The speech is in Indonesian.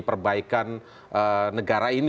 perbaikan negara ini